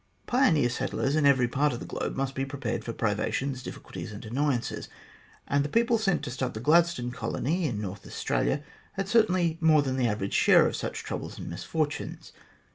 Pioneer settlers in every part of the globe must be pre pared for privations, difficulties, and annoyances, and the people sent to start the Gladstone Colony in North Australia had certainly more than the average share of such troubles and misfortunes.